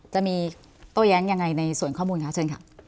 จะมีโต๊ะแย้งยังไงในส่วนข้อมูลครับเชิญครับ